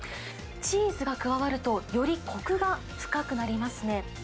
チーズが加わると、よりこくが深くなりますね。